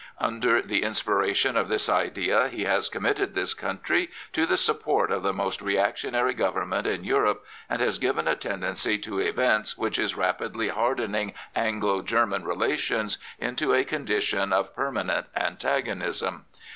Under the inspiration of this idea he has committed this country to the support of the most reactionary government in Europe and has given a tendency to events which is rapidly hardening Anglo German relations into a condition of permanent antagonism.